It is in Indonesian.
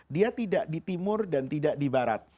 dia tidak di timur dan tidak di barat